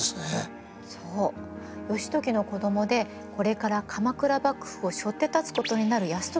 義時の子どもでこれから鎌倉幕府をしょって立つことになる泰時がね